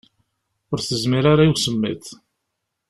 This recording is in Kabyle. Ur tezmir ara i usemmiḍ.